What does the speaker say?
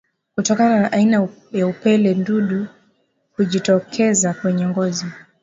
Kutokana na aina ya upele ndundu hujitokeza kwenye ngozi